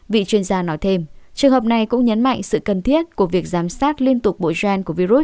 vị chuyên gia nói thêm trường hợp này cũng nhấn mạnh sự cần thiết của việc giám sát liên tục bộ gen của virus